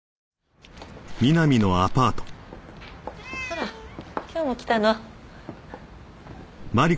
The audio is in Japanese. あら今日も来たの？